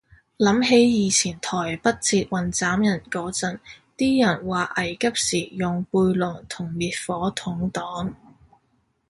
諗起以前台北捷運斬人嗰陣，啲人話危急時用背囊同滅火筒擋